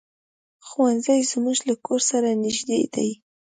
ښوونځی زمونږ له کور سره نږدې دی.